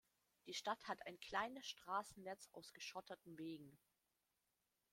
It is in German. Die Stadt hat ein kleines Straßennetz aus geschotterten Wegen.